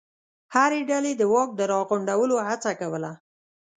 هرې ډلې د واک د راغونډولو هڅه کوله.